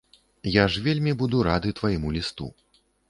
Я ж вельмі буду рады твайму лісту.